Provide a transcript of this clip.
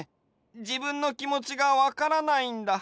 じぶんのきもちがわからないんだ。